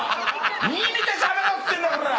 ２見てしゃべろっつってんだよ！